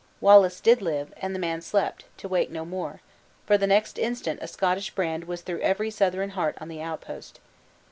Wallace did live, and the man slept to wake no more; for the next instant a Scottish brand was through every Southron heart on the outpost.